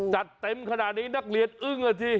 จัดเต็มขนาดนี้นักเรียนอึ้งอ่ะสิ